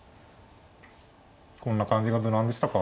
こんな感じが無難でしたか。